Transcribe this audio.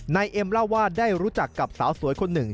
นายเอ็มเล่าว่าได้รู้จักกับสาวสวยคนหนึ่ง